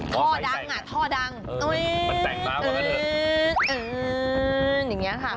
เท่าดังเสียงเรียกมากกว่านั้น